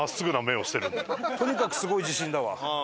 とにかくすごい自信だわ。